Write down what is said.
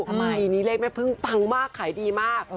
ทำไมนี่เลขแม่พึ่งปังมากขายดีมาก